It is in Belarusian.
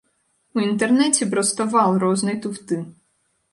У інтэрнэце проста вал рознай туфты.